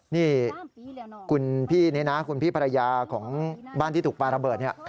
นี่คุณพี่นี่นะคุณพี่ภรรยาของบ้านที่ถูกปลาระเบิดเนี่ย